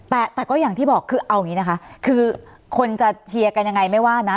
แต่แต่ก็อย่างที่บอกคือเอาอย่างนี้นะคะคือคนจะเชียร์กันยังไงไม่ว่านะ